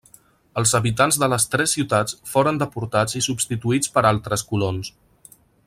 Els habitants de les tres ciutats foren deportats i substituïts per altres colons.